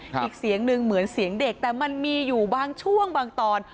อีกเสียงหนึ่งเหมือนเสียงเด็กแต่มันมีอยู่บางช่วงบางตอน